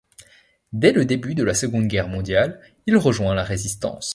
Dès le début de la Seconde Guerre mondiale, il rejoint la Résistance.